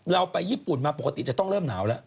เราไปญี่ปุ่นมาปกติจะต้องเริ่มหนาวแล้ว